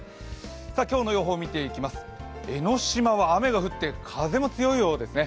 今日の予報を見ていきます、江の島は雨も降って風が強いようですね。